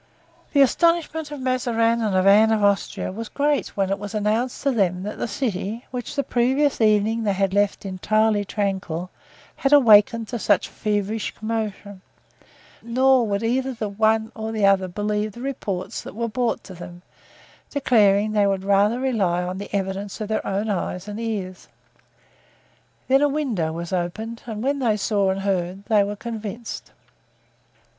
The astonishment of Mazarin and of Anne of Austria was great when it was announced to them that the city, which the previous evening they had left entirely tranquil, had awakened to such feverish commotion; nor would either the one or the other believe the reports that were brought to them, declaring they would rather rely on the evidence of their own eyes and ears. Then a window was opened and when they saw and heard they were convinced.